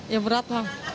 ya berat lah